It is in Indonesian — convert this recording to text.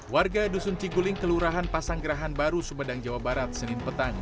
warga dusun ciguling kelurahan pasanggerahan baru sumedang jawa barat senin petang